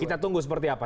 kita tunggu seperti apa